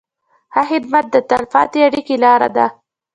ښه خدمت د تل پاتې اړیکې لاره ده.